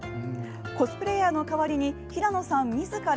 コスプレイヤーの代わりに平野さんみずから